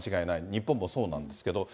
日本もそうなんですけれども。